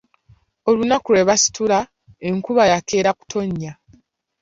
Olunaku lwe baasitula, enkuba yakeera kutonnya.